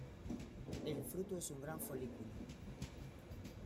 El fruto es una gran folículo.